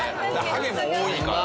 ハゲも多いから。